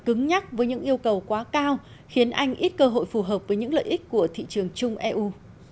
cứng nhắc với những yêu cầu quá cao khiến anh ít cơ hội phù hợp với những lợi ích của thị trường chung eu